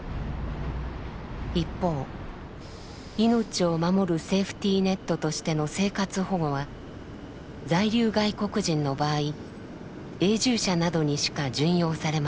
一方命を守るセーフティーネットとしての生活保護は在留外国人の場合永住者などにしか準用されません。